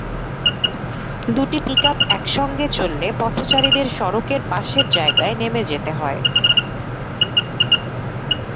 দুটি পিকআপ একসঙ্গে চললে পথচারীদের সড়কের পাশের জায়গায় নেমে যেতে হয়।